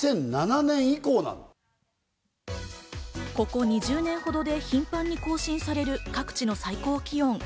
ここ２０年ほどで頻繁に更新される各地の最高気温。